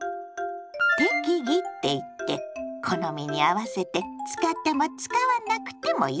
「適宜」っていって好みに合わせて使っても使わなくてもいいってこと。